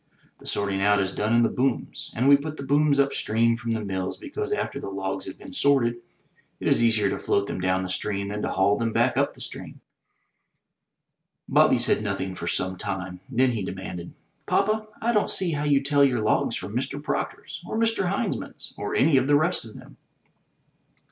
The sorting out is done in the booms; and we put the booms up stream from the mills because after the logs have been sorted it is easier to float them down the stream than to haul them back up the stream." 128 THE TREASURE CHEST Bobby said nothing for some time, then he demanded: *'Papa, I don't see how you tell your logs from Mr. Proctor's or Mr. Heinzman's or any of the rest of them."